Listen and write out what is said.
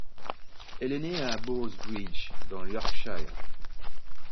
Elle est née à Boroughbridge dans le Yorkshire.